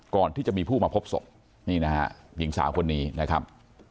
ก่อนที่จะมีผู้มาพบศพนี่นะฮะหญิงสาวคนนี้นะครับ